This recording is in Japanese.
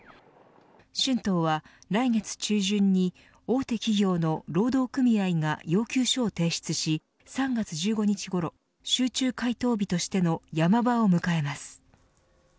春闘は来月中旬に大手企業の労働組合が要求書を提出し３月１５日ごろ集中回答日としてのヤマ場を迎えます。